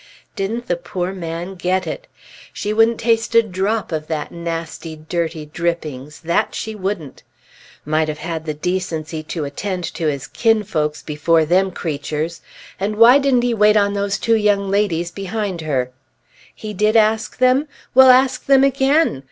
Didn't the poor man get it! She wouldn't taste a drop of that nasty dirty drippings, that she wouldn't! Might have had the decency to attend to his kinsfolks, before them creatures! And why didn't he wait on those two young ladies behind her? He did ask them? Well, ask them again!